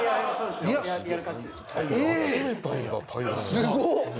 すごっ。